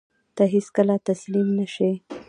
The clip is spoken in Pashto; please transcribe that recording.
ته هېڅکله تسلیم نه شې.